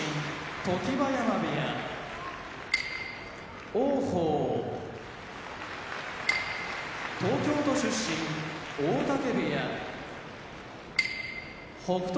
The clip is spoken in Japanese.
常盤山部屋王鵬東京都出身大嶽部屋北勝